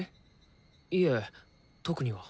いえ特には。